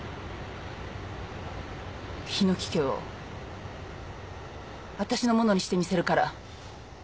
檜家を私のものにしてみせるから。